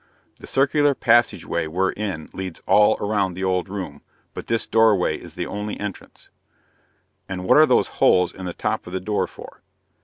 The circular passageway we're in leads all around the old room, but this doorway is the only entrance." "And what are those holes in the top of the door for?"